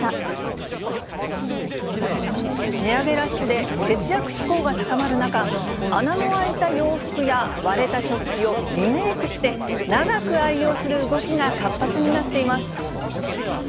値上げラッシュで、節約志向が高まる中、穴の開いた洋服や割れた食器をリメークして、長く愛用する動きが活発になっています。